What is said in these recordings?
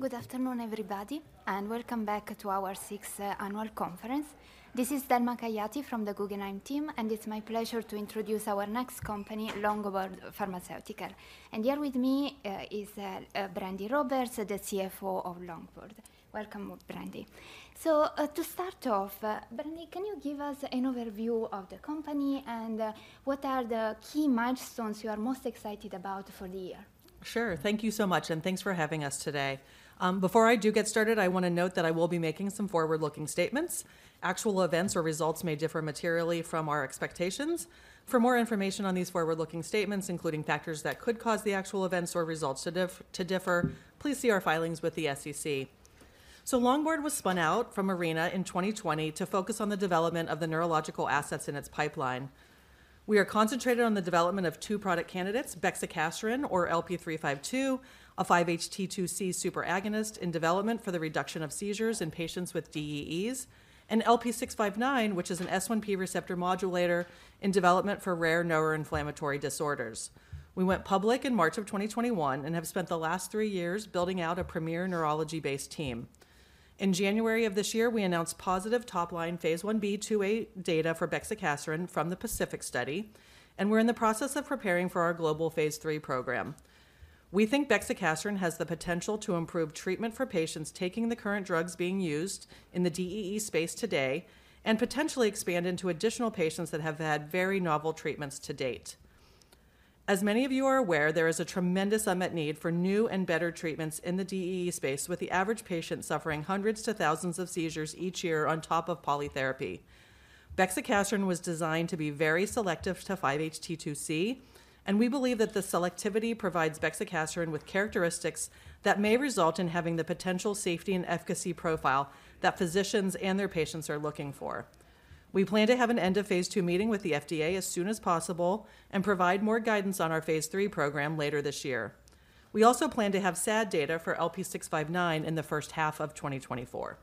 Good afternoon, everybody, and welcome back to our sixth annual conference. This is Thelma Kayati from the Guggenheim team, and it's my pleasure to introduce our next company, Longboard Pharmaceuticals. And here with me is Brandi Roberts, the CFO of Longboard. Welcome, Brandi. So, to start off, Brandi, can you give us an overview of the company, and what are the key milestones you are most excited about for the year? Sure. Thank you so much, and thanks for having us today. Before I do get started, I want to note that I will be making some forward-looking statements. Actual events or results may differ materially from our expectations. For more information on these forward-looking statements, including factors that could cause the actual events or results to differ, please see our filings with the SEC. So Longboard was spun out from Arena in 2020 to focus on the development of the neurological assets in its pipeline. We are concentrated on the development of two product candidates: bexicaserin, or LP352, a 5-HT2C superagonist in development for the reduction of seizures in patients with DEEs; and LP659, which is an S1P receptor modulator in development for rare neuroinflammatory disorders. We went public in March 2021 and have spent the last three years building out a premier neurology-based team. In January of this year, we announced positive top-line Phase 1b/2a data for bexicaserin from the PACIFIC Study, and we're in the process of preparing for our global Phase III program. We think bexicaserin has the potential to improve treatment for patients taking the current drugs being used in the DEE space today, and potentially expand into additional patients that have had very novel treatments to date. As many of you are aware, there is a tremendous unmet need for new and better treatments in the DEE space, with the average patient suffering hundreds to thousands of seizures each year on top of polytherapy. Bexicaserin was designed to be very selective to 5-HT2C, and we believe that the selectivity provides bexicaserin with characteristics that may result in having the potential safety and efficacy profile that physicians and their patients are looking for. We plan to have an end-of-phase II meeting with the FDA as soon as possible and provide more guidance on our phase III program later this year. We also plan to have SAD data for LP659 in the first half of 2024.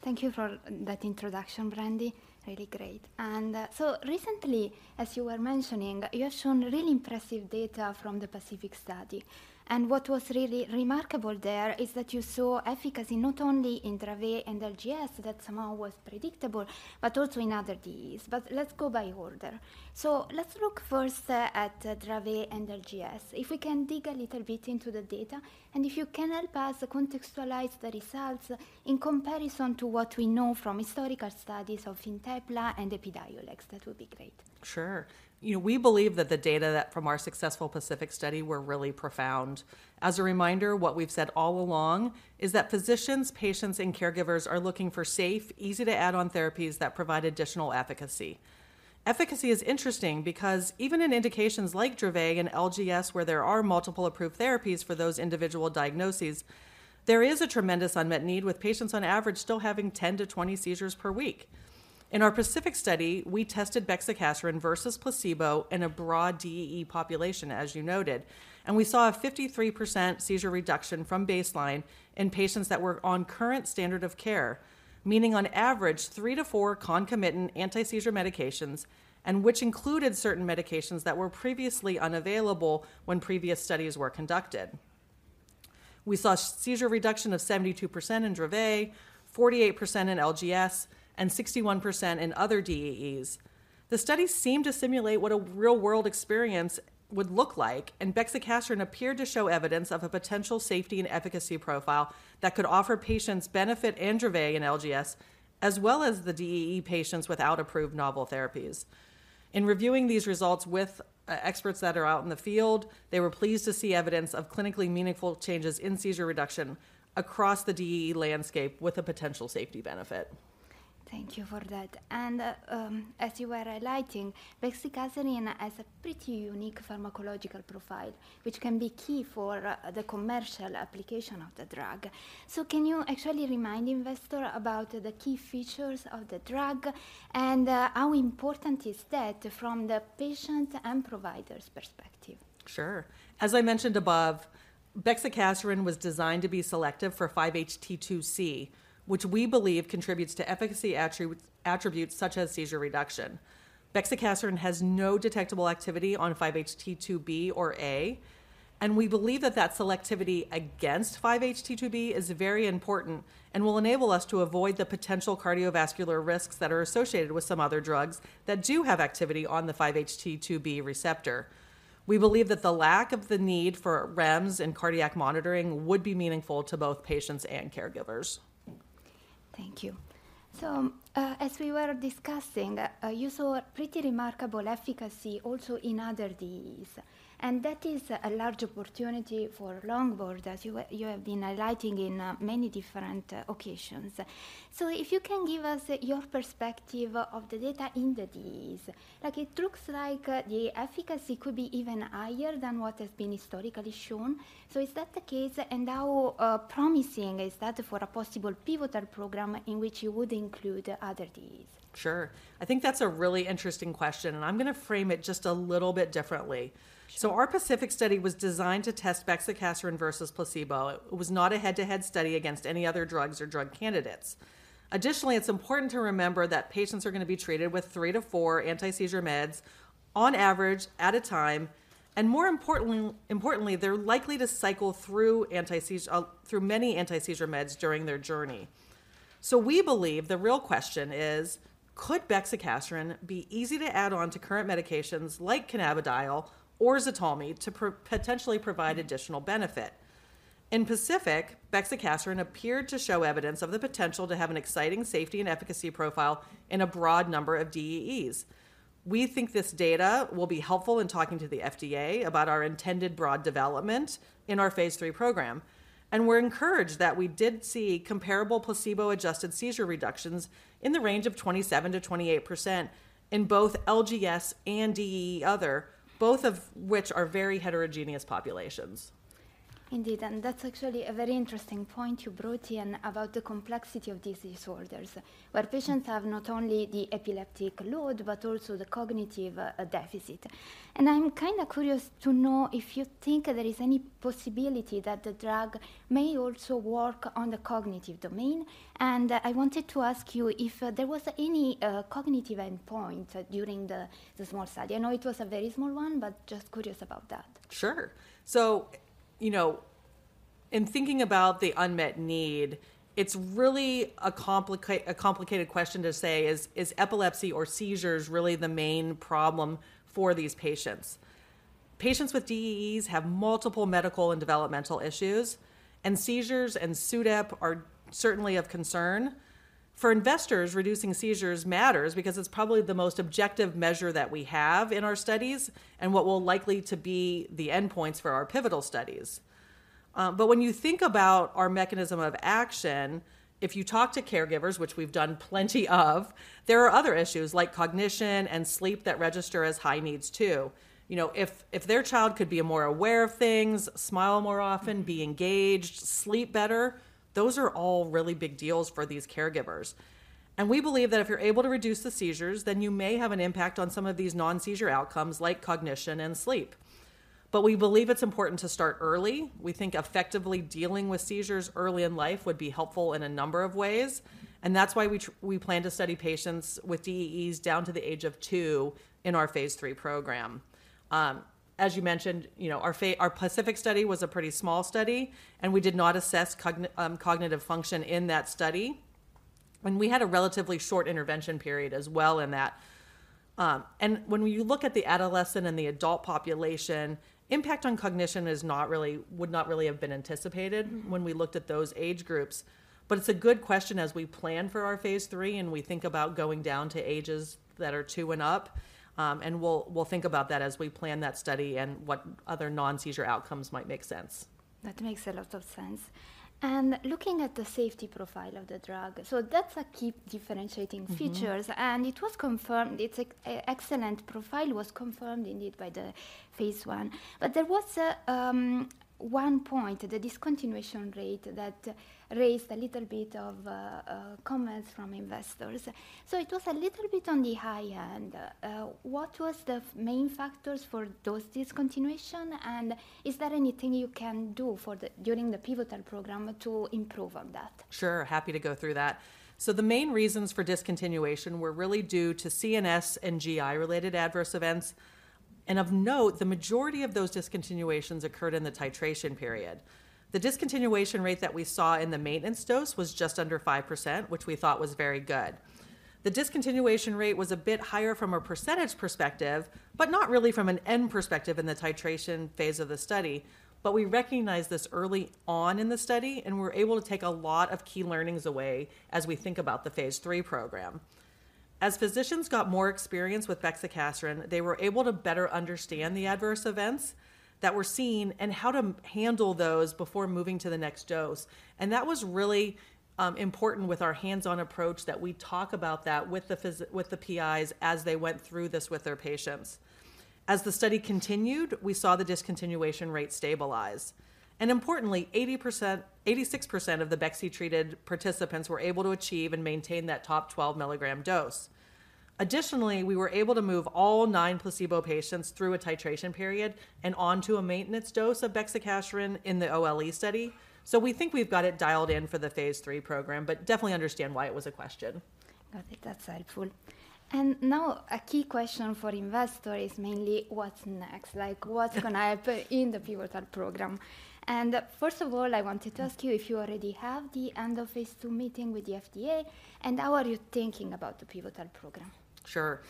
Thank you for that introduction, Brandi. Really great. And so recently, as you were mentioning, you have shown really impressive data from the PACIFIC Study. And what was really remarkable there is that you saw efficacy not only in Dravet and LGS, that somehow was predictable, but also in other DEEs. But let's go by order. So let's look first at Dravet and LGS. If we can dig a little bit into the data, and if you can help us contextualize the results in comparison to what we know from historical studies of Fintepla and Epidiolex, that would be great. Sure. You know, we believe that the data from our successful PACIFIC Study were really profound. As a reminder, what we've said all along is that physicians, patients, and caregivers are looking for safe, easy-to-add-on therapies that provide additional efficacy. Efficacy is interesting because even in indications like Dravet and LGS, where there are multiple approved therapies for those individual diagnoses, there is a tremendous unmet need, with patients on average still having 10-20 seizures per week. In our PACIFIC Study, we tested bexicaserin versus placebo in a broad DEE population, as you noted, and we saw a 53% seizure reduction from baseline in patients that were on current standard of care, meaning on average, 3-4 concomitant anti-seizure medications, and which included certain medications that were previously unavailable when previous studies were conducted. We saw seizure reduction of 72% in Dravet, 48% in LGS, and 61% in other DEEs. The study seemed to simulate what a real-world experience would look like, and bexicaserin appeared to show evidence of a potential safety and efficacy profile that could offer patients benefit in Dravet and LGS, as well as the DEE patients without approved novel therapies. In reviewing these results with experts that are out in the field, they were pleased to see evidence of clinically meaningful changes in seizure reduction across the DEE landscape with a potential safety benefit. Thank you for that. And, as you were highlighting, bexicaserin has a pretty unique pharmacological profile, which can be key for, the commercial application of the drug. So can you actually remind investor about the key features of the drug, and, how important is that from the patient and provider's perspective? Sure. As I mentioned above, bexicaserin was designed to be selective for 5-HT2C, which we believe contributes to efficacy attributes such as seizure reduction. Bexicaserin has no detectable activity on 5-HT2B or 5-HT2A, and we believe that that selectivity against 5-HT2B is very important and will enable us to avoid the potential cardiovascular risks that are associated with some other drugs that do have activity on the 5-HT2B receptor. We believe that the lack of the need for REMS and cardiac monitoring would be meaningful to both patients and caregivers. Thank you. So, as we were discussing, you saw a pretty remarkable efficacy also in other DEEs, and that is a large opportunity for Longboard, as you, you have been highlighting in, many different, occasions. So if you can give us your perspective of the data in the DEEs? Like, it looks like, the efficacy could be even higher than what has been historically shown. So is that the case, and how, promising is that for a possible pivotal program in which you would include other DEEs? Sure. I think that's a really interesting question, and I'm gonna frame it just a little bit differently. Sure. So our PACIFIC study was designed to test bexicaserin versus placebo. It was not a head-to-head study against any other drugs or drug candidates. Additionally, it's important to remember that patients are going to be treated with three to four anti-seizure meds on average at a time, and more importantly, they're likely to cycle through many anti-seizure meds during their journey. So we believe the real question is: could bexicaserin be easy to add on to current medications like cannabidiol or Ztalmy to potentially provide additional benefit? In PACIFIC, bexicaserin appeared to show evidence of the potential to have an exciting safety and efficacy profile in a broad number of DEEs. We think this data will be helpful in talking to the FDA about our intended broad development in our phase III program. We're encouraged that we did see comparable placebo-adjusted seizure reductions in the range of 27%-28% in both LGS and DEE other, both of which are very heterogeneous populations. Indeed, and that's actually a very interesting point you brought in about the complexity of these disorders, where patients have not only the epileptic load, but also the cognitive deficit. And I'm kind of curious to know if you think there is any possibility that the drug may also work on the cognitive domain. And I wanted to ask you if there was any cognitive endpoint during the small study. I know it was a very small one, but just curious about that. Sure. So, you know, in thinking about the unmet need, it's really a complicated question to say, is epilepsy or seizures really the main problem for these patients? Patients with DEEs have multiple medical and developmental issues, and seizures and SUDEP are certainly of concern. For investors, reducing seizures matters because it's probably the most objective measure that we have in our studies and what will likely to be the endpoints for our pivotal studies. But when you think about our mechanism of action, if you talk to caregivers, which we've done plenty of, there are other issues like cognition and sleep that register as high needs, too. You know, if their child could be more aware of things, smile more often, be engaged, sleep better, those are all really big deals for these caregivers. We believe that if you're able to reduce the seizures, then you may have an impact on some of these non-seizure outcomes like cognition and sleep. But we believe it's important to start early. We think effectively dealing with seizures early in life would be helpful in a number of ways, and that's why we plan to study patients with DEEs down to the age of two in our phase III program. As you mentioned, you know, our PACIFIC study was a pretty small study, and we did not assess cognitive function in that study. And we had a relatively short intervention period as well in that. And when you look at the adolescent and the adult population, impact on cognition would not really have been anticipated when we looked at those age groups. But it's a good question as we plan for our phase III, and we think about going down to ages that are two and up. And we'll think about that as we plan that study and what other non-seizure outcomes might make sense. That makes a lot of sense. And looking at the safety profile of the drug, so that's a key differentiating features- Mm-hmm. And it was confirmed, its excellent profile was confirmed indeed by the phase I. But there was a one point, the discontinuation rate, that raised a little bit of comments from investors. So it was a little bit on the high end. What was the main factors for those discontinuation, and is there anything you can do for the during the pivotal program to improve on that? Sure, happy to go through that. So the main reasons for discontinuation were really due to CNS and GI-related adverse events. And of note, the majority of those discontinuations occurred in the titration period. The discontinuation rate that we saw in the maintenance dose was just under 5%, which we thought was very good. The discontinuation rate was a bit higher from a percentage perspective, but not really from an end perspective in the titration phase of the study. But we recognized this early on in the study, and we were able to take a lot of key learnings away as we think about the Phase III program. As physicians got more experience with bexicaserin, they were able to better understand the adverse events that were seen and how to handle those before moving to the next dose. That was really important with our hands-on approach, that we talk about that with the PIs as they went through this with their patients. As the study continued, we saw the discontinuation rate stabilize, and importantly, 86% of the bexi-treated participants were able to achieve and maintain that top 12-milligram dose. Additionally, we were able to move all 9 placebo patients through a titration period and onto a maintenance dose of bexicaserin in the OLE study. We think we've got it dialed in for the phase III program, but definitely understand why it was a question. Got it. That's helpful. And now, a key question for investors is mainly what's next? Like, what's gonna happen in the pivotal program? And first of all, I want to ask you if you already have the end of phase II meeting with the FDA, and how are you thinking about the pivotal program? Sure.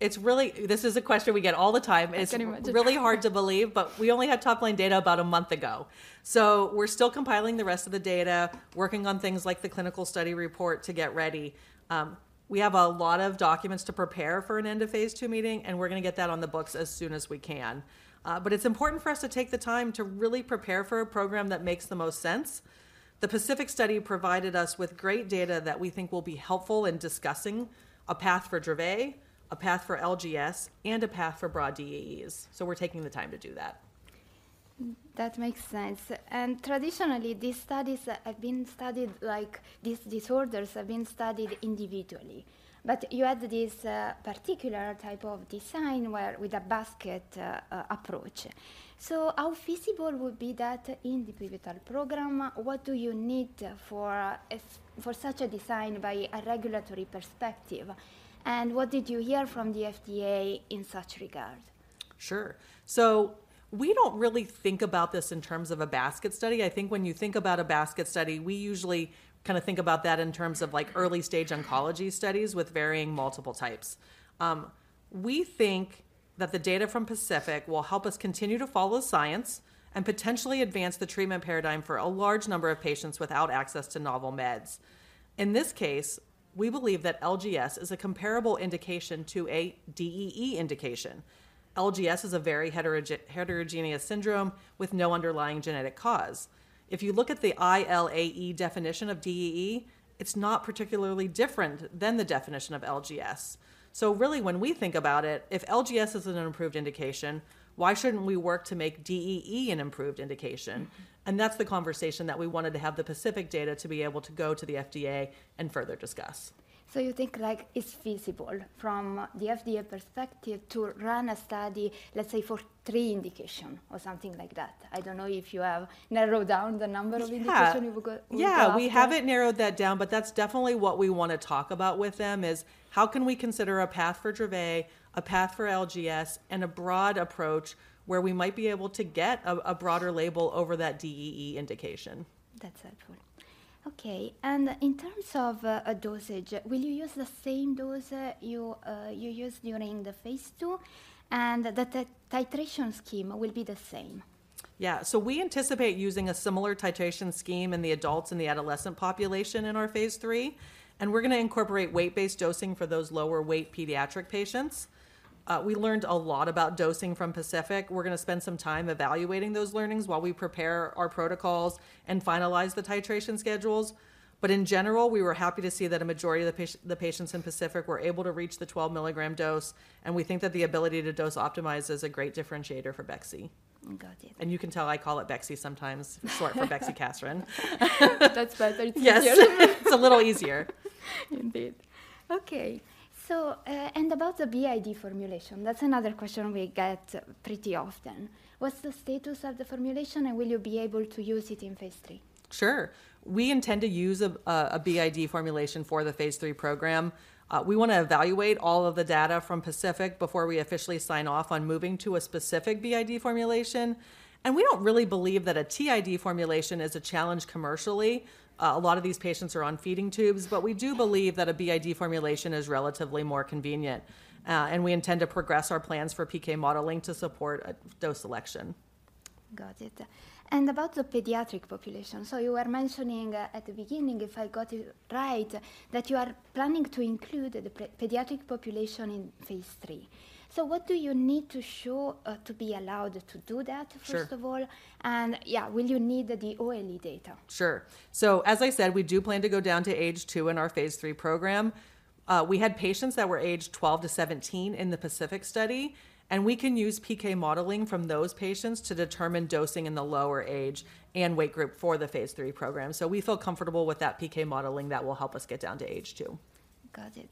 It's really... This is a question we get all the time. It's anyway- It's really hard to believe, but we only had top-line data about a month ago. So we're still compiling the rest of the data, working on things like the clinical study report to get ready. We have a lot of documents to prepare for an end-of-phase II meeting, and we're gonna get that on the books as soon as we can. But it's important for us to take the time to really prepare for a program that makes the most sense. The PACIFIC Study provided us with great data that we think will be helpful in discussing a path for Dravet, a path for LGS, and a path for broad DEEs, so we're taking the time to do that. That makes sense. And traditionally, these studies have been studied, like, these disorders have been studied individually. But you had this particular type of design where with a basket approach. So how feasible would be that in the pivotal program? What do you need for such a design by a regulatory perspective, and what did you hear from the FDA in such regard?... Sure. So we don't really think about this in terms of a basket study. I think when you think about a basket study, we usually kind of think about that in terms of like early stage oncology studies with varying multiple types. We think that the data from PACIFIC will help us continue to follow science and potentially advance the treatment paradigm for a large number of patients without access to novel meds. In this case, we believe that LGS is a comparable indication to a DEE indication. LGS is a very heterogeneous syndrome with no underlying genetic cause. If you look at the ILAE definition of DEE, it's not particularly different than the definition of LGS. So really, when we think about it, if LGS is an improved indication, why shouldn't we work to make DEE an improved indication? That's the conversation that we wanted to have the PACIFIC data to be able to go to the FDA and further discuss. So you think, like, it's feasible from the FDA perspective to run a study, let's say, for three indication or something like that? I don't know if you have narrowed down the number of indication- Yeah! you would go for. Yeah, we haven't narrowed that down, but that's definitely what we want to talk about with them, is: How can we consider a path for Dravet, a path for LGS, and a broad approach where we might be able to get a, a broader label over that DEE indication? That's helpful. Okay, and in terms of a dosage, will you use the same dose you used during the phase 2, and the titration scheme will be the same? Yeah. So we anticipate using a similar titration scheme in the adults and the adolescent population in our phase III, and we're gonna incorporate weight-based dosing for those lower weight pediatric patients. We learned a lot about dosing from PACIFIC. We're gonna spend some time evaluating those learnings while we prepare our protocols and finalize the titration schedules. But in general, we were happy to see that a majority of the patients in PACIFIC were able to reach the 12 milligram dose, and we think that the ability to dose optimize is a great differentiator for bexy. Got it. You can tell, I call it bexy sometimes, short for bexicaserin. That's better. It's easier. Yes, it's a little easier. Indeed. Okay. So, and about the BID formulation, that's another question we get pretty often. What's the status of the formulation, and will you be able to use it in phase 3? Sure. We intend to use a BID formulation for the Phase 3 program. We wanna evaluate all of the data from PACIFIC before we officially sign off on moving to a specific BID formulation, and we don't really believe that a TID formulation is a challenge commercially. A lot of these patients are on feeding tubes, but we do believe that a BID formulation is relatively more convenient, and we intend to progress our plans for PK modeling to support dose selection. Got it. About the pediatric population, so you were mentioning at the beginning, if I got it right, that you are planning to include the pediatric population in phase 3. What do you need to show to be allowed to do that? Sure... first of all, and yeah, will you need the OLE data? Sure. So, as I said, we do plan to go down to age 2 in our phase 3 program. We had patients that were aged 12 to 17 in the PACIFIC Study, and we can use PK modeling from those patients to determine dosing in the lower age and weight group for the phase 3 program. So we feel comfortable with that PK modeling that will help us get down to age 2. Got it.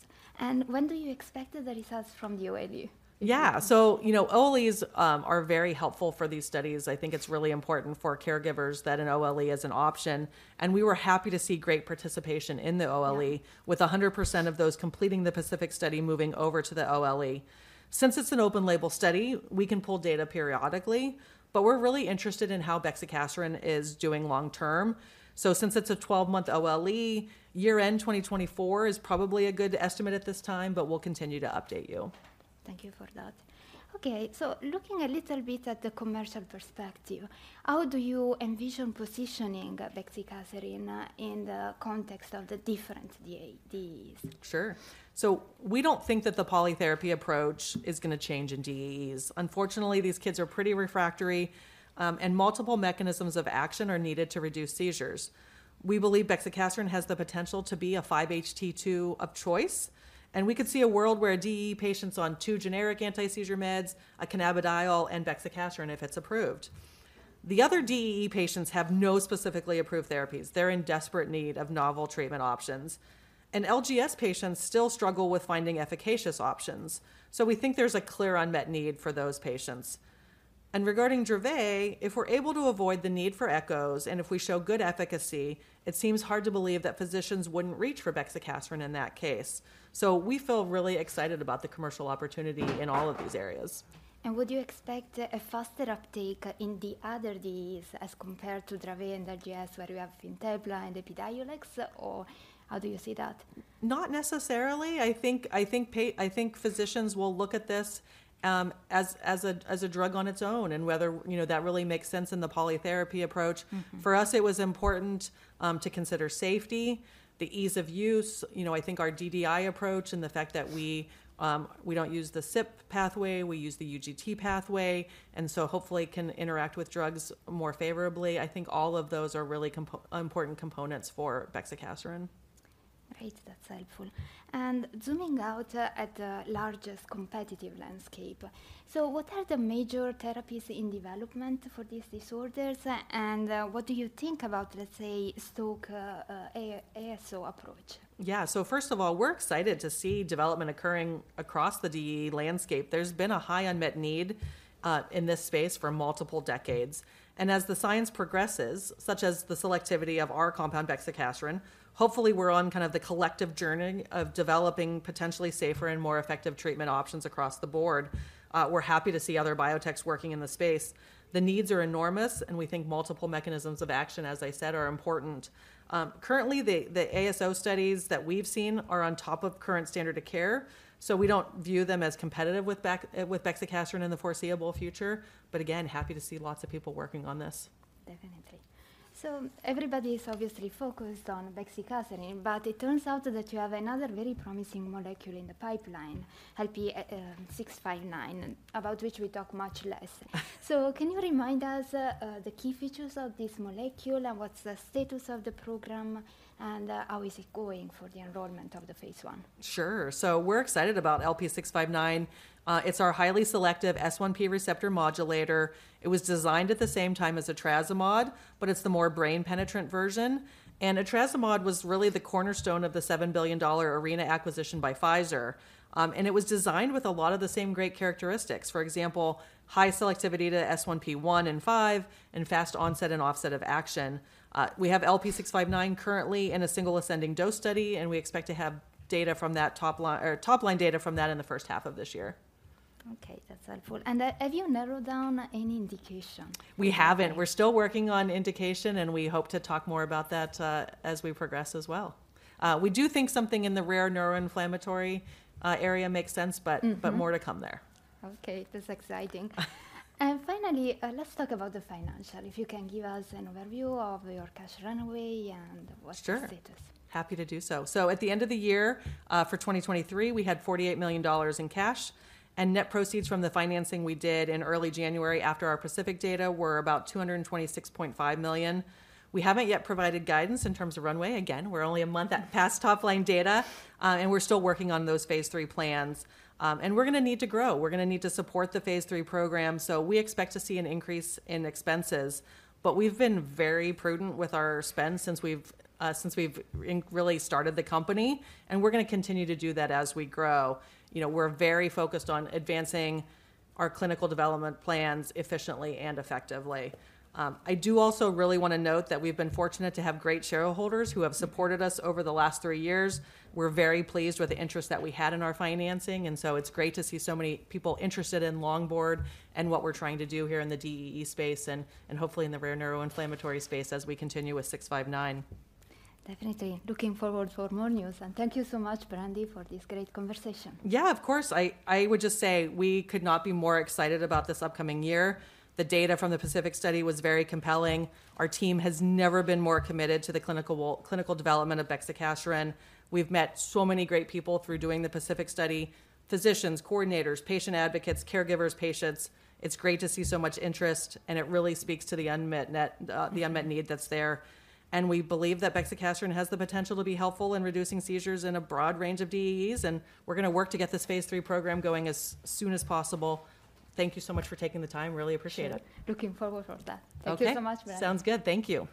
When do you expect the results from the OLE? Yeah. So, you know, OLEs are very helpful for these studies. I think it's really important for caregivers that an OLE is an option, and we were happy to see great participation in the OLE- Yeah... with 100% of those completing the PACIFIC Study moving over to the OLE. Since it's an open label study, we can pull data periodically, but we're really interested in how bexicaserin is doing long term. So since it's a 12-month OLE, year-end 2024 is probably a good estimate at this time, but we'll continue to update you. Thank you for that. Okay, so looking a little bit at the commercial perspective, how do you envision positioning, Bexicaserin in the context of the different DEEs? Sure. So we don't think that the polytherapy approach is gonna change in DEEs. Unfortunately, these kids are pretty refractory, and multiple mechanisms of action are needed to reduce seizures. We believe bexicaserin has the potential to be a 5-HT2C of choice, and we could see a world where a DEE patient's on two generic anti-seizure meds, a cannabidiol, and bexicaserin, if it's approved. The other DEE patients have no specifically approved therapies. They're in desperate need of novel treatment options. LGS patients still struggle with finding efficacious options. So we think there's a clear unmet need for those patients. Regarding Dravet, if we're able to avoid the need for echos, and if we show good efficacy, it seems hard to believe that physicians wouldn't reach for bexicaserin in that case. So we feel really excited about the commercial opportunity in all of these areas. Would you expect a faster uptake in the other DEEs as compared to Dravet and LGS, where you have Fintepla and EPIDIOLEX, or how do you see that? Not necessarily. I think physicians will look at this as a drug on its own, and whether, you know, that really makes sense in the polytherapy approach. Mm-hmm. For us, it was important to consider safety, the ease of use, you know, I think our DDI approach, and the fact that we, we don't use the CYP pathway, we use the UGT pathway, and so hopefully can interact with drugs more favorably. I think all of those are really important components for bexicaserin. Great, that's helpful. And zooming out, at the largest competitive landscape, so what are the major therapies in development for these disorders, and what do you think about, let's say, Stoke, ASO approach? Yeah. So first of all, we're excited to see development occurring across the DEE landscape. There's been a high unmet need in this space for multiple decades. And as the science progresses, such as the selectivity of our compound, bexicaserin, hopefully, we're on kind of the collective journey of developing potentially safer and more effective treatment options across the board. We're happy to see other biotechs working in the space. The needs are enormous, and we think multiple mechanisms of action, as I said, are important. Currently, the ASO studies that we've seen are on top of current standard of care, so we don't view them as competitive with bexicaserin in the foreseeable future, but again, happy to see lots of people working on this. Definitely.... So everybody is obviously focused on bexicaserin, but it turns out that you have another very promising molecule in the pipeline, LP659, about which we talk much less. So can you remind us, the key features of this molecule, and what's the status of the program, and, how is it going for the enrollment of the phase I? Sure. So we're excited about LP659. It's our highly selective S1P receptor modulator. It was designed at the same time as etrasimod, but it's the more brain-penetrant version. And etrasimod was really the cornerstone of the $7 billion Arena acquisition by Pfizer. And it was designed with a lot of the same great characteristics. For example, high selectivity to S1P1 and S1P5, and fast onset and offset of action. We have LP659 currently in a single ascending dose study, and we expect to have top-line data from that in the first half of this year. Okay, that's helpful. Have you narrowed down any indication? We haven't. Okay. We're still working on indication, and we hope to talk more about that, as we progress as well. We do think something in the rare neuroinflammatory, area makes sense, but- Mm-hmm... but more to come there. Okay, that's exciting. And finally, let's talk about the financial. If you can give us an overview of your cash runway and what's- Sure... the status. Happy to do so. So at the end of the year for 2023, we had $48 million in cash, and net proceeds from the financing we did in early January after our PACIFIC data were about $226.5 million. We haven't yet provided guidance in terms of runway. Again, we're only a month past top-line data, and we're still working on those phase III plans. And we're gonna need to grow. We're gonna need to support the phase III program, so we expect to see an increase in expenses. But we've been very prudent with our spend since we've really started the company, and we're gonna continue to do that as we grow. You know, we're very focused on advancing our clinical development plans efficiently and effectively. I do also really want to note that we've been fortunate to have great shareholders who have supported us over the last three years. We're very pleased with the interest that we had in our financing, and so it's great to see so many people interested in Longboard and what we're trying to do here in the DEE space and hopefully in the rare neuroinflammatory space as we continue with 659. Definitely. Looking forward for more news. Thank you so much, Brandi, for this great conversation. Yeah, of course. I, I would just say we could not be more excited about this upcoming year. The data from the PACIFIC Study was very compelling. Our team has never been more committed to the clinical development of bexicaserin. We've met so many great people through doing the PACIFIC Study: physicians, coordinators, patient advocates, caregivers, patients. It's great to see so much interest, and it really speaks to the unmet need that's there. We believe that bexicaserin has the potential to be helpful in reducing seizures in a broad range of DEEs, and we're gonna work to get this phase III program going as soon as possible. Thank you so much for taking the time. Really appreciate it. Sure. Looking forward for that. Okay. Thank you so much, Brandi. Sounds good. Thank you.